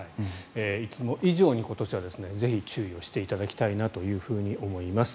いつも以上に今年はぜひ注意をしていただきたいと思います。